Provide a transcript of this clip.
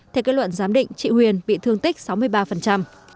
theo kết luận giám định chị huyền bị thương tích sáu mươi ba